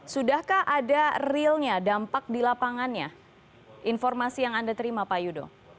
sudahkah ada realnya dampak di lapangannya informasi yang anda terima pak yudo